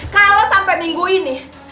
kalau sampai minggu ini